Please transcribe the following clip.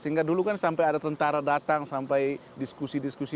sehingga dulu kan sampai ada tentara datang sampai diskusi diskusi